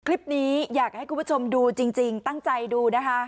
คลิปนี้อยากให้คุณผู้ชมดูจริงตั้งใจดูนะคะ